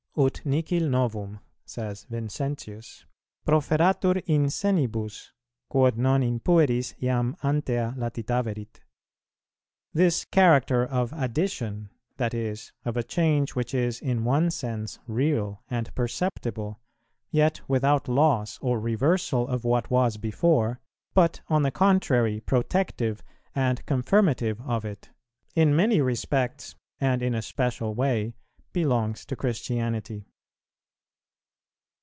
"Ut nihil novum," says Vincentius, "proferatur in senibus, quod non in pueris jam antea latitaverit." This character of addition, that is, of a change which is in one sense real and perceptible, yet without loss or reversal of what was before, but, on the contrary, protective and confirmative of it, in many respects and in a special way belongs to Christianity.